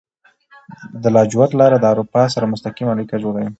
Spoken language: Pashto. د لاجوردو لاره د اروپا سره مستقیمه اړیکه جوړوي.